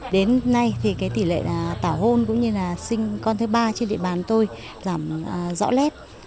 đến nay thì tỷ lệ tảo hôn cũng như sinh con thứ ba trên địa bàn tôi giảm rõ lét